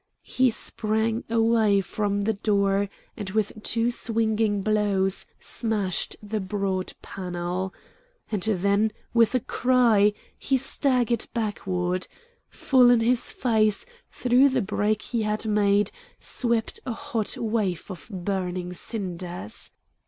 He sprang away from the door and, with two swinging blows, smashed the broad panel. And then, with a cry, he staggered backward. Full in his face, through the break he had made, swept a hot wave of burning cinders.